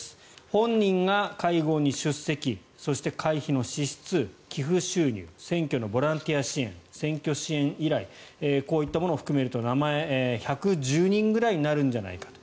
本人が会合に出席そして会費の支出寄付収入選挙のボランティア支援選挙支援依頼こういったものを含めると名前が１１０人ぐらいになるんじゃないかと。